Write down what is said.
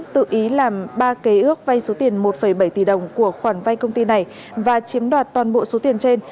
tự ý làm ba kế ước vay số tiền một bảy tỷ đồng của khoản vay công ty này và chiếm đoạt toàn bộ số tiền trên